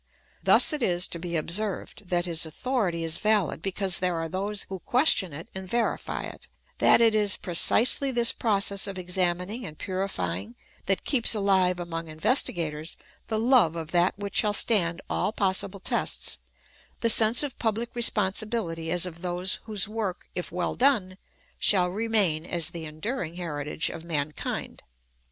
Thus it is to be observed that his authority is vahd because there are those who question it and verify it ; that it is precisely this process of examining and purifying that keeps ahve among investigators the love of that which shall 198 THE ETHICS OF BELIEF. stand all possible tests, the sense of public responsibility as of those whose work, if well done, shall remain as the enduring heritage of mankind.